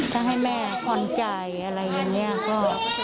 ถ้าให้แม่ผ่อนใจอะไรอย่างนี้ก็